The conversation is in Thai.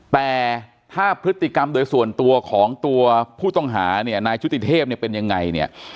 แต่ถ้าพฤติกรรมโดยส่วนตัวของตัวผู้ต้องหาเนี่ยนายชุติเทพเนี่ยเป็นยังไงเนี่ย